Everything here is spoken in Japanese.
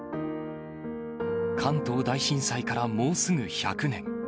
関東大震災からもうすぐ１００年。